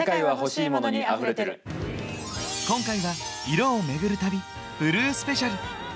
今回は色をめぐる旅ブルースペシャル。